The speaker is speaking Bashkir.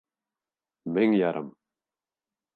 Мең ярым!